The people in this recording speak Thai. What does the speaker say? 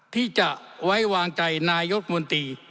ที่จะไว้วางใจนายกมนตรี